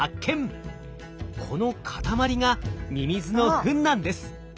この塊がミミズのフンなんです。